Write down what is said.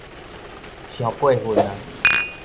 傷過份矣